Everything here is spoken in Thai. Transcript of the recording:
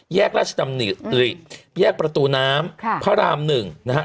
แยกราชดำหรี่แยกประตูน้ำพระรามหนึ่งนะฮะ